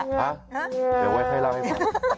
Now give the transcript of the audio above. เดี๋ยวไว้ให้เล่าให้ฟัง